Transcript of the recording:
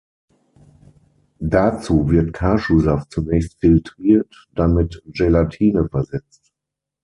Dazu wird Kaschu-Saft zunächst filtriert, dann mit Gelatine versetzt.